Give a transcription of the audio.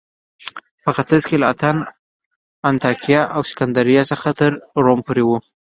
په ختیځ کې له اتن، انطاکیه او سکندریې څخه تر روم پورې و